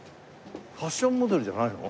ファッションモデルじゃないの？